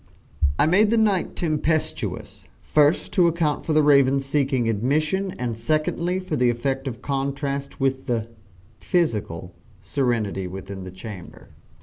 I made the night tempestuous, first to account for the Raven's seeking admission, and secondly, for the effect of contrast with the (physical) serenity within the chamber.